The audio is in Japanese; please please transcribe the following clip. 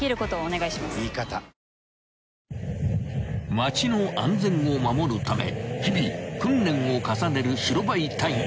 ［街の安全を守るため日々訓練を重ねる白バイ隊員］